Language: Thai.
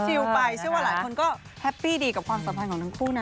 ชิวไปถ้าว่าหลายคนก็แฮปปี้ดีกับความสำคัญของทั้งคู่นะ